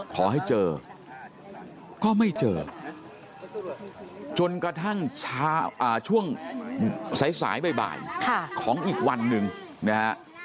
ขอให้เจอก็ไม่เจอกระทั่งช่างช่วงสายสายไปใหม่ของอีกวันหนึ่งนะฮะ